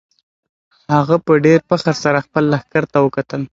هغه په ډېر فخر سره خپل لښکر ته وکتل.